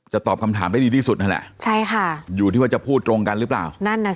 ใช่ค่ะ